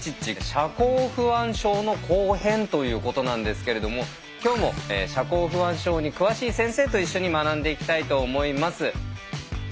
社交不安症の後編ということなんですけれども今日も社交不安症に詳しい先生と一緒に学んでいきたいと思います。